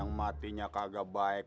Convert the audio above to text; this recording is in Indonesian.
aku punya pertanyaan